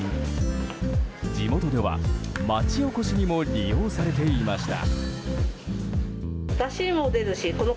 地元では町おこしにも利用されていました。